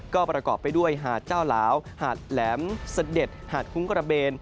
ก็ประกอบไปด้วยหาดเจ้าหลาวหาดแหลมเสด็จหาดคุ้งกระเบน